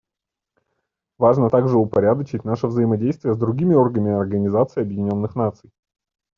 Важно также упорядочить наше взаимодействие с другими органами Организации Объединенных Наций.